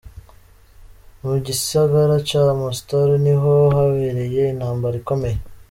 Mu gisagara ca Mostar ni ho habereye intambara ikomeye.